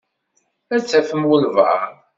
Ad tafem walebɛaḍ.